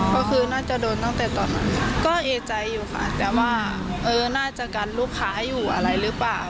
ก็คือน่าจะโดนตั้งแต่ตอนนั้นก็เอใจอยู่ค่ะแต่ว่าเออน่าจะกันลูกค้าอยู่อะไรหรือเปล่า